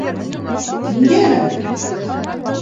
Ниндәй айранбикә?